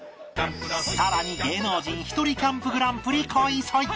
さらに芸能人ひとりキャンプグランプリ開催！